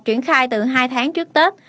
triển khai từ hai tháng trước tết